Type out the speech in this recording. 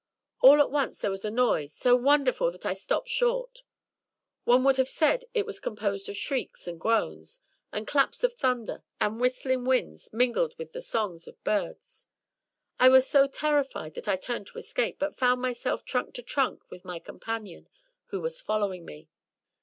All at once there was a noise — so wonderful that I stopped short. One would have said it was composed of shrieks and groans, and claps of thunder, and whistling winds, mingled with the songs of birds! I was so terrified that I turned to escape, but found myself trunk to trunk with my companion who was following me.